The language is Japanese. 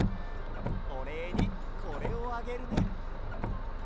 おれいにこれをあげるね。